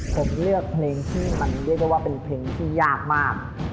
ผมเลือกเพลงที่มันเรียกได้ว่าเป็นเพลงที่ยากมาก